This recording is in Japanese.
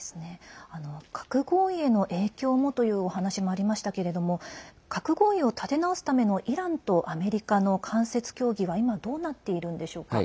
核合意への影響もというお話もありましたけれども核合意を立て直すためのイランとアメリカの間接協議は今、どうなっているんでしょうか。